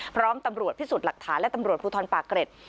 พร้อมตำรวจพิสูจน์หลักฐานและตำรวจภูทรปากเกร็ด